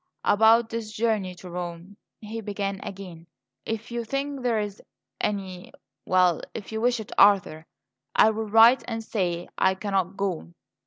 "About this journey to Rome," he began again; "if you think there is any well if you wish it, Arthur, I will write and say I cannot go."